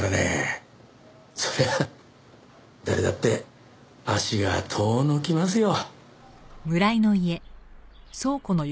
そりゃあ誰だって足が遠のきますよ。